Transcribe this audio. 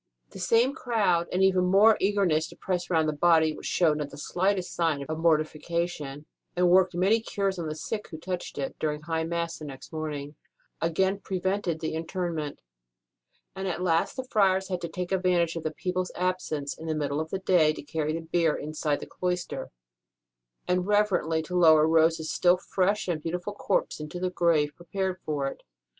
The same crowd, and even more eagerness to press round the body which showed not the slightest sign of mortification, and worked many cures on the sick who touched it during the High Mass next morning, again prevented the interment ; and at last the friars had to take advantage of the people s absence in the middle of the day to carry the bier inside the cloister, and reverently to lower Rose s still fresh and beautiful corpse into the grave prepared for it.